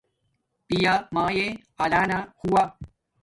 پیامایے الانا ہوا